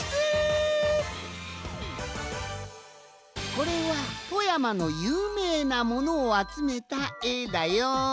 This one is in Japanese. これは富山のゆうめいなものをあつめたえだよん。